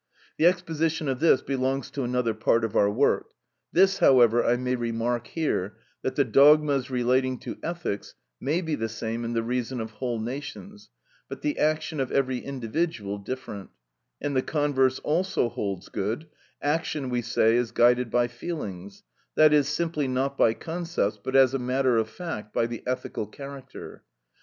The exposition of this belongs to another part of our work; this, however, I may remark here, that the dogmas relating to ethics may be the same in the reason of whole nations, but the action of every individual different; and the converse also holds good; action, we say, is guided by feelings,—that is, simply not by concepts, but as a matter of fact by the ethical character.